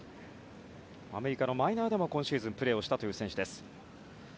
アメリカのマイナーでも今シーズンプレーをした選手。